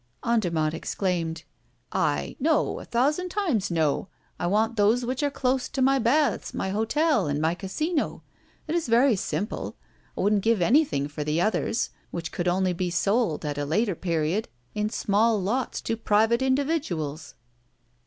Andermatt exclaimed: "I no a thousand times, no! I want those which are close to my baths, my hotel, and my Casino. It is very simple, I wouldn't give anything for the others, which could only be sold, at a later period, in small lots to private individuals."